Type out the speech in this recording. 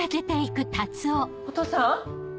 お父さん？